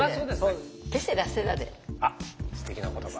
あっすてきな言葉。